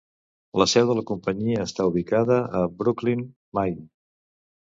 La seu de la companyia està ubicada a Brooklin, Maine.